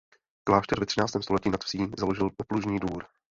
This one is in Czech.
Klášter ve třináctém století nad vsí založil poplužní dvůr.